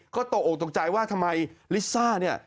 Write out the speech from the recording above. ก็ตกออกตกใจว่าทำไมลิซ่าเนี่ย